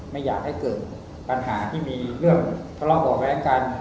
ไม่อยากให้เกิดปัญหาที่มีเรื่องทะเลาะบ่อแว้งกัน